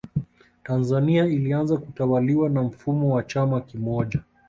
Tanzania ilianza kutawaliwa na mfumo wa chama kimoja